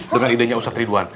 dengan idenya ustadz ridwan